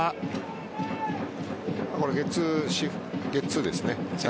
ゲッツーですね。